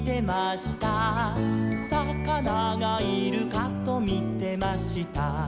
「さかながいるかとみてました」